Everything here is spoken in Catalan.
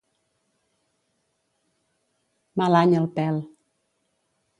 Mal any el pèl.